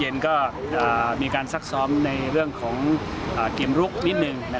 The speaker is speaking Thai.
ก็มีการซักซ้อมในเรื่องของเกมลุกนิดนึง